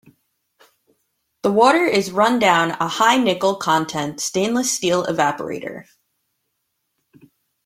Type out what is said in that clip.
The water is run down a high nickel content stainless steel evaporator.